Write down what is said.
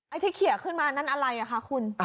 ไอ้ที่เขียกขึ้นมานั้นอะไรค่ะคุณ